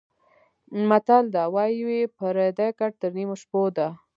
متل ده:واى پردى ګټ تر نيمو شپو ده.